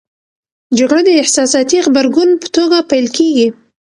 جګړه د احساساتي غبرګون په توګه پیل کېږي.